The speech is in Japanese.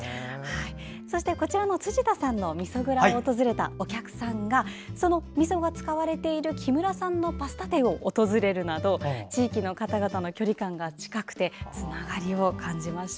そして、こちらの辻田さんのみそ蔵を訪れたお客さんがそのみそが使われている木村さんのパスタ店を訪れるなど地域の方々の距離感が近くてつながりを感じました。